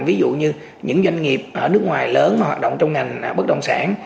ví dụ như những doanh nghiệp ở nước ngoài lớn mà hoạt động trong ngành bất động sản